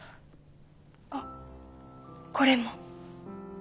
あっこれも。